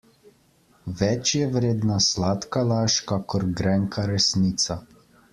Več je vredna sladka laž kakor grenka resnica.